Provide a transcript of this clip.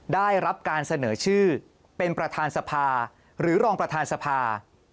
ได้รับการเสนอชื่อเป็นประธานสภาหรือรองประธานสภา